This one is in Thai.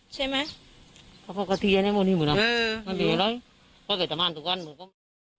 ใช่ไหมปกติอันนี้หมดนี่หมดน่ะเออหมดนี่หมดน่ะ